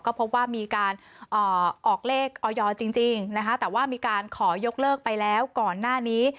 ก็พบว่ามีการออกเลขออยจริงนะคะแต่ว่ามีการขอยกเลิกไปแล้วก่อนหน้านี้